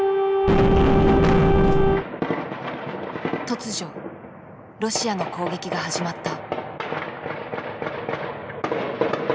突如ロシアの攻撃が始まった。